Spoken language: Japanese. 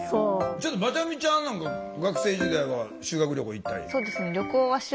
ちょっとまちゃみちゃんなんか学生時代は修学旅行行ったり？